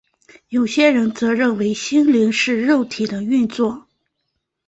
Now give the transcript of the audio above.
有些人则认为心灵只是肉体的运作。